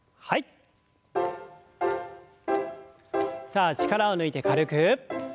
さあ力を抜いて軽く。